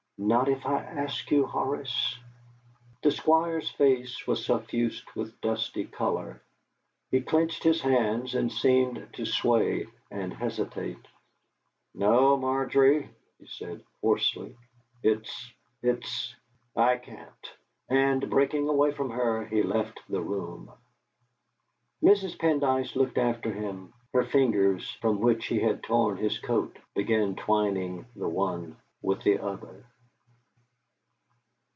"Not if I ask you, Horace?" The Squire's face was suffused with dusky colour; he clenched his hands and seemed to sway and hesitate. "No, Margery," he said hoarsely; "it's it's I can't!" And, breaking away from her, he left the room. Mrs. Pendyce looked after him; her fingers, from which he had torn his coat, began twining the one with the other.